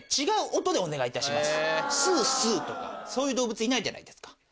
違う音でお願いいたします「スス」とかそういう動物いないじゃないですか。